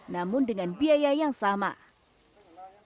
namun dengan biaya yang lebih tinggi